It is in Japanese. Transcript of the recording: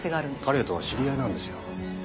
彼とは知り合いなんですよ。